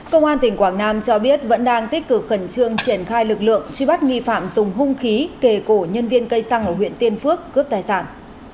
công an tỉnh quảng nam cho biết vẫn đang tích cực khẩn trương triển khai lực lượng truy bắt nghi phạm dùng hung khí kề cổ nhân viên cây xăng ở huyện tiên phước cướp tài sản